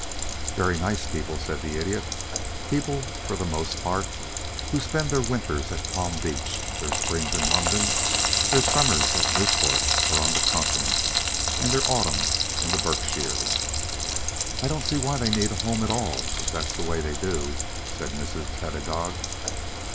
"Very nice people," said the Idiot. "People, for the most part, who spend their winters at Palm Beach, their springs in London, their summers at Newport or on the Continent, and their autumns in the Berkshires." "I don't see why they need a home at all if that's the way they do," said Mrs. Pedagog.